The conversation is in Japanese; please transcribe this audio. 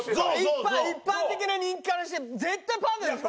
一般的な人気からして絶対パンダでしょ。